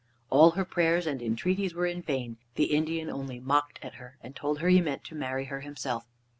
All her prayers and entreaties were in vain. The Indian only mocked at her, and told her he meant to marry her himself.